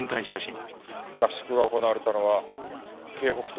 合宿が行われたのは京北町だった。